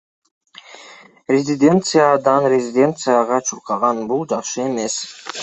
Резиденциядан резиденцияга чуркаган — бул жакшы эмес.